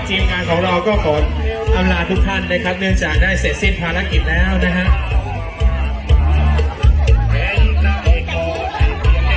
ทีมงานของเราก็ขออำลาทุกท่านนะครับเนื่องจากได้เสร็จสิ้นภารกิจแล้วนะครับ